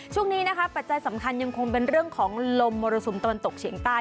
ช่วงนี้นะคะปัจจัยสำคัญยังคงเป็นเรื่องของลมมรสุมตะวันตกเฉียงใต้